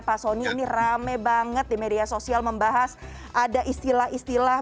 pak soni ini rame banget di media sosial membahas ada istilah istilah